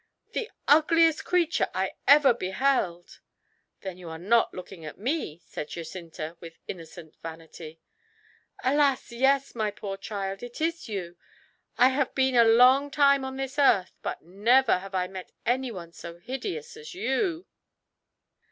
"The ugliest creature I ever beheld." "Then you are not looking at me," said Jacinta, with innocent vanity. "Alas! yes, my poor child, it is you. I have been a long time on this earth, but never have I met anyone so hideous as you!"